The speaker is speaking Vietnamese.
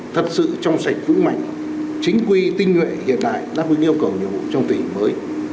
thật sự trong sạch vững mạnh chính quy tinh nguyện hiện đại đáp ứng yêu cầu nhiệm vụ trong tình hình mới